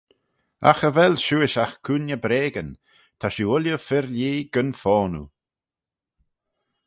"Agh cha vel shiuish agh cooiney breagyn; ta shiu ooilley fir-lhee gyn-foaynoo."